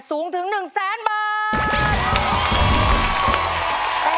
สูงถึง๑แสนบาท